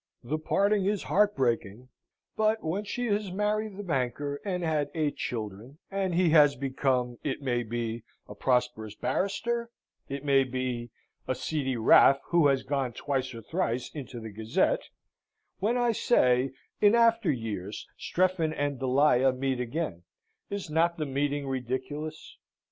The parting is heart breaking; but, when she has married the banker and had eight children, and he has become, it may be, a prosperous barrister, it may be, a seedy raff who has gone twice or thrice into the Gazette; when, I say, in after years Strephon and Delia meet again, is not the meeting ridiculous?